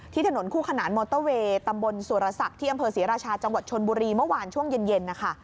ถนนคู่ขนานมอเตอร์เวย์ตำบลสุรศักดิ์ที่อำเภอศรีราชาจังหวัดชนบุรีเมื่อวานช่วงเย็นนะคะ